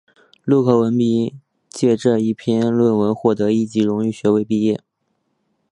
陆克文凭藉这篇论文获得一级荣誉学位毕业。